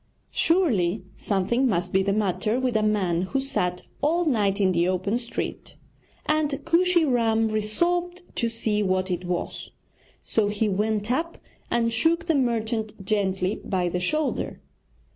Surely something must be the matter with a man who sat all night in the open street, and Kooshy Ram resolved to see what it was; so he went up and shook the merchant gently by the shoulder.